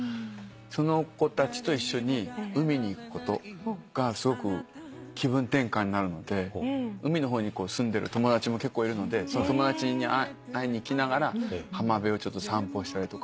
その子たちと一緒に海に行くことがすごく気分転換になるので海の方に住んでる友達も結構いるのでその友達に会いに行きながら浜辺を散歩したりとか。